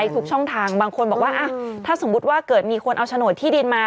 ทุกช่องทางบางคนบอกว่าถ้าสมมุติว่าเกิดมีคนเอาโฉนดที่ดินมา